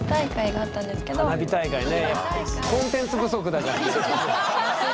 花火大会ね。